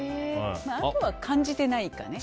あとは感じてないかね。